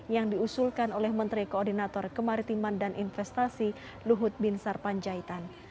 yang diusulkan oleh menteri koordinator kemaritiman dan investasi luhut bin sarpanjaitan